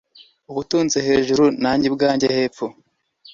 ubutunzi hejuru nanjye ubwanjye hepfo